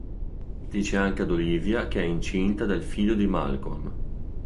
Dice anche ad Olivia che è incinta del figlio di Malcolm.